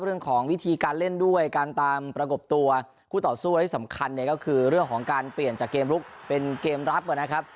เรื่องของการเล่นด้วยการตามประกบตัวคู่ต่อสู้และที่สำคัญเนี่ยก็คือเรื่องของการเปลี่ยนจากเกมลุกเป็นเกมรับนะครับ